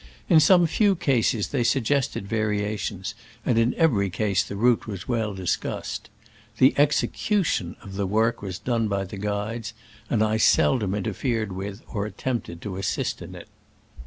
In some few cases they suggested varia tions, and in every case the route was well discussed. The execution of the work was done by the guides, and I seldom interfered with or attempted to assist in it.